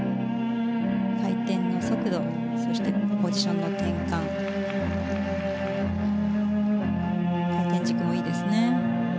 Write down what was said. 回転の速度そしてポジションの転換回転軸もいいですね。